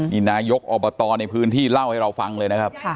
นี่นายกอบตในพื้นที่เล่าให้เราฟังเลยนะครับ